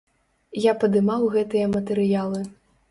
Я падымаў гэтыя матэрыялы.